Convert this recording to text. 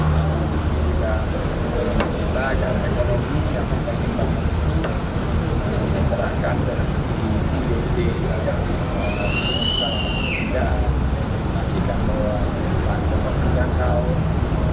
selain itu sandi juga berharap kepada warga muhammadiyah yang mempunyai masa yang besar untuk lebih berperan aktif hingga ke kancah internasional